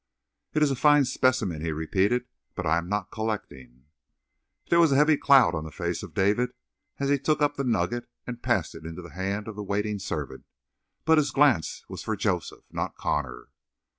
"It is a fine specimen," he repeated, "but I am not collecting." There was a heavy cloud on the face of David as he took up the nugget and passed it into the hand of the waiting servant; but his glance was for Joseph, not Connor.